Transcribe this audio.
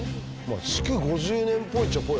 築５０年っぽいっちゃぽい。